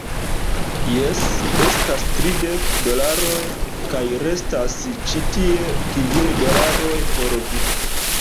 Jes, estas tridek dolaroj, kaj restas ĉi tie kvin dolaroj por vi.